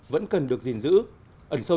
vẫn cần được gìn giữ ẩn sâu